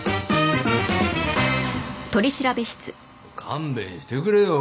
勘弁してくれよ